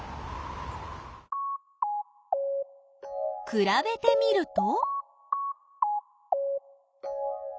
くらべてみると？